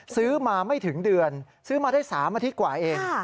ซื้อมาไม่ถึงเดือนซื้อมาได้๓อาทิตย์กว่าเอง